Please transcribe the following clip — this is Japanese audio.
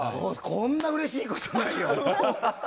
こんなにうれしいことないよ。